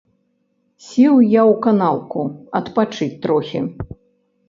Сеў я ў канаўку адпачыць трохі.